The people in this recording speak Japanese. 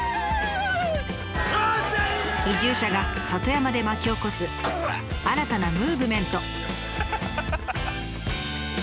移住者が里山で巻き起こす新たなムーブメント。